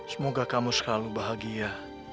semoga kamu selalu bahagia